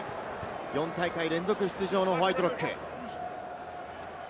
４大会連続出場のホワイトロック。